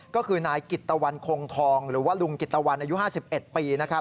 ก็คือนายกิตตะวันคงทองหรือว่าลุงกิตตะวันอายุ๕๑ปี